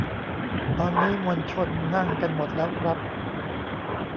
ตอนนี้มวลชนนั่งกันหมดแล้วครับ